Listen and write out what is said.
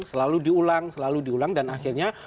selalu diulang dan akhirnya